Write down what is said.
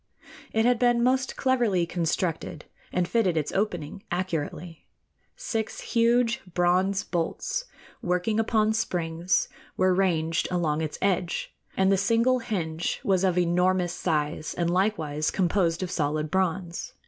It had been most cleverly constructed, and fitted its opening accurately. Six huge bronze bolts, working upon springs, were ranged along its edge, and the single hinge was of enormous size and likewise composed of solid bronze.